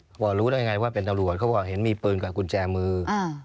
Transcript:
พอรู้ได้ไงว่าเป็นตำรวจเขาบอกเห็นมีปืนกับกุญแจมือ